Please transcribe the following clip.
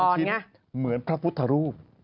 ชิ้นเหมือนพระพุทธรูป